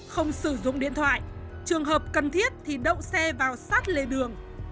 không sử dụng điện thoại trường hợp cần thiết thì đậu xe vào sát lề đường